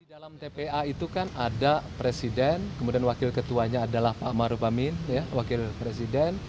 di dalam tpa itu kan ada presiden kemudian wakil ketuanya adalah pak ⁇ maruf ⁇ amin wakil presiden